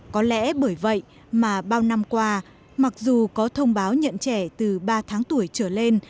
có lẽ bởi vậy mà bao năm qua mặc dù có thông báo nhận trẻ từ ba tháng tuổi trở lên